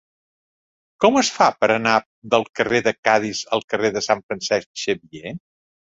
Com es fa per anar del carrer de Cadis al carrer de Sant Francesc Xavier?